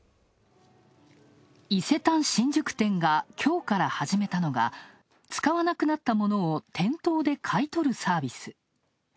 伊勢丹新宿店が、きょうから始めたのが使わなくなった物を店頭で買い取るサービス。